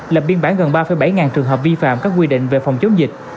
lập biên bản gần ba bảy ngàn trường hợp vi phạm các quy định về phòng chống dịch